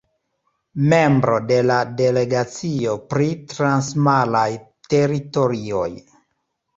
Membro de la delegacio pri transmaraj teritorioj.